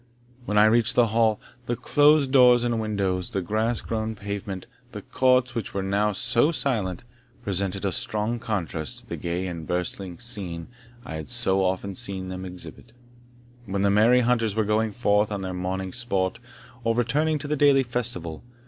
When I reached the Hall, the closed doors and windows, the grass grown pavement, the courts, which were now so silent, presented a strong contrast to the gay and bustling scene I had so often seen them exhibit, when the merry hunters were going forth to their morning sport, or returning to the daily festival.